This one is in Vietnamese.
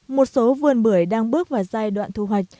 một số vườn bưởi đang bước vào giai đoạn thu hoạch